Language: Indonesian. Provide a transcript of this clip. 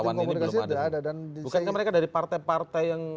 bukannya mereka dari partai partai yang